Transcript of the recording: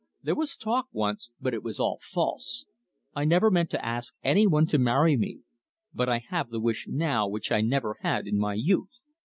There was talk once but it was all false. I never meant to ask any one to marry me. But I have the wish now which I never had in my youth.